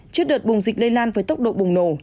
trước đợt bùng dịch lây lan với tốc độ bùng nổ